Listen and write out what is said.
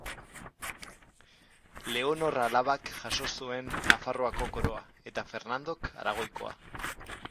Leonor alabak jaso zuen Nafarroako koroa, eta Fernandok Aragoikoa.